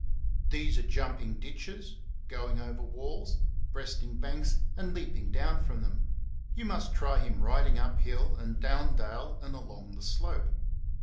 These are jumping ditches, going over walls, breast ing banks, and leaping down from them ; you must try him riding up hill and down dale and along the slope.